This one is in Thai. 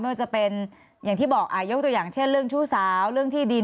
ว่าจะเป็นอย่างที่บอกยกตัวอย่างเช่นเรื่องชู้สาวเรื่องที่ดิน